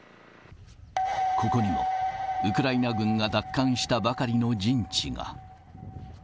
ここには、ウクライナ軍が奪還したばかりの陣地が。